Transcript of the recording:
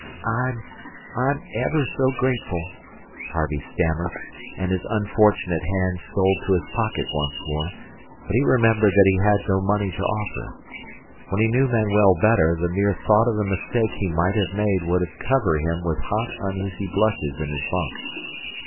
"I'm I'm ever so grateful," Harvey stammered, and his unfortunate hand stole to his pocket once more, but he remembered that he had no money to offer. When he knew Manuel better the mere thought of the mistake he might have made would cover him with hot, uneasy blushes in his bunk.